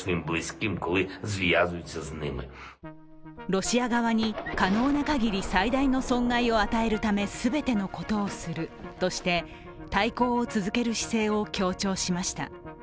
ロシア側に可能な限り最大の損害を与えるため全てのことをするとして、対抗を続ける姿勢を強調しました。